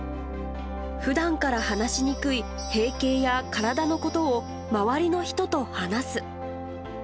ふだんから話しにくい閉経や体のことを周りの人と話す。